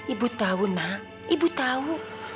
ibu tahu nak ibu tahu